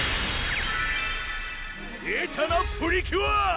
出たなプリキュア！